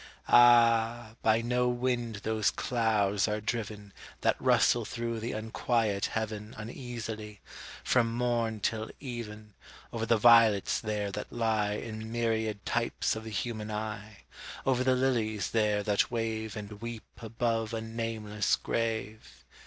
Ah, by no wind those clouds are driven That rustle through the unquiet Heaven Uneasily, from morn till even, Over the violets there that lie In myriad types of the human eye Over the lilies there that wave And weep above a nameless grave!